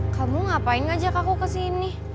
kamu ngapain ngajak aku kesini